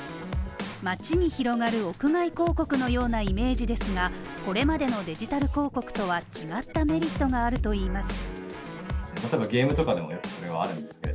街に広がる屋外広告のようなイメージですが、これまでのデジタル広告とは違ったメリットがあるといいます。